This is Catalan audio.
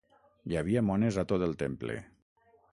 Hi havia mones a tot el temple.